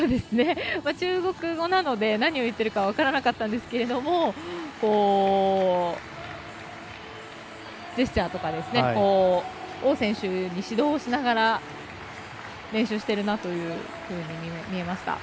中国語なので何を言ってるか分からなかったんですがジェスチャーとかして王選手に指導をしながら練習しているなと見えました。